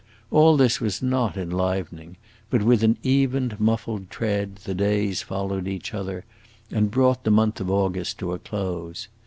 All this was not enlivening, but with an even, muffled tread the days followed each other, and brought the month of August to a close.